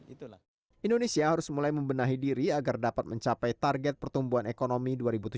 itulah indonesia harus mulai membenahi diri agar dapat mencapai target pertumbuhan ekonomi dua ribu tujuh belas